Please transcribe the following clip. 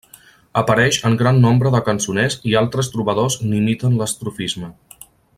Apareix en gran nombre de cançoners i altres trobadors n'imiten l'estrofisme.